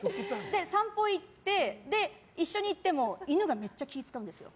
散歩行って、一緒に行っても犬がめっちゃ気を遣うんですよ。